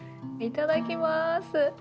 いただきます。